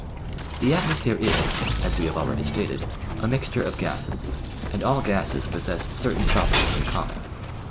The atmosphere is, as we have already stated, a mixture of gases, and all gases possess certain properties in common.